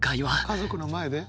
家族の前で？